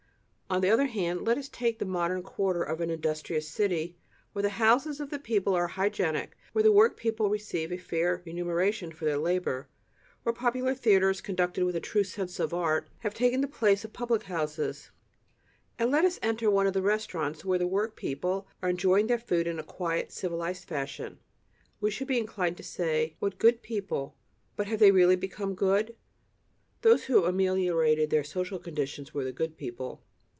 On the other hand, let us take the modern quarter of an industrious city, where the houses of the people are hygienic, where the workpeople receive a fair remuneration for their labor, where popular theaters, conducted with a true sense of art, have taken the place of public houses, and let us enter one of the restaurants where workpeople are enjoying their food in a quiet, civilized fashion; we should be inclined to say: "What good people!" But have they really become good? Those who ameliorated their social conditions were the good people.